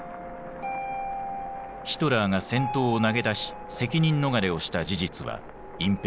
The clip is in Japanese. ヒトラーが戦闘を投げ出し責任逃れをした事実は隠蔽された。